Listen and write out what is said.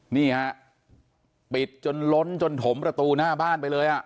นี่ฮะปิดจนล้นจนถมประตูหน้าบ้านไปเลยอ่ะ